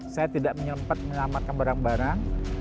saya tidak menyempet menyelamatkan barang barang